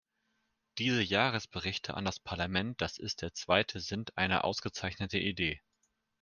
Diese Jahresberichte an das Parlament das ist der zweite sind eine ausgezeichnete Idee.